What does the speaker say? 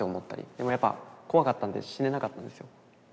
でもやっぱ怖かったんで死ねなかったんですよ。